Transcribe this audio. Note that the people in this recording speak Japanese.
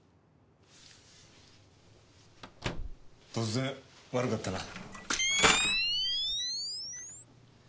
突然悪かったな。